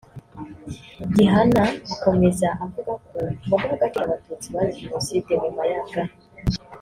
Gihana akomeza avuga ko mu guha agaciro Abatutsi bazize Jenoside ku Mayaga